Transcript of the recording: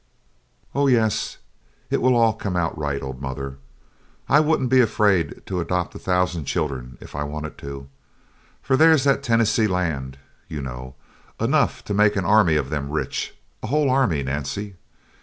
"Oh yes, it will all come out right, old mother. I wouldn't be afraid to adopt a thousand children if I wanted to, for there's that Tennessee Land, you know enough to make an army of them rich. A whole army, Nancy!